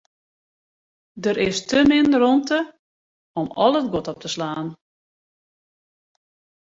Der is te min rûmte om al it guod op te slaan.